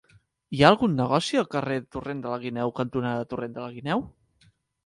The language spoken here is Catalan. Hi ha algun negoci al carrer Torrent de la Guineu cantonada Torrent de la Guineu?